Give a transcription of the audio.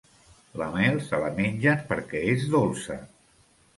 La mel se la mengen perquè és dolça.